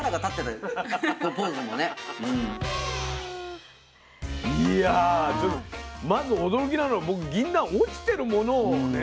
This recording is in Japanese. いやでもまず驚きなのは僕ぎんなん落ちてるものをね。